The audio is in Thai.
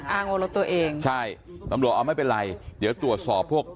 อ้างว่ารถตัวเองใช่ตำรวจเอาไม่เป็นไรเดี๋ยวตรวจสอบพวก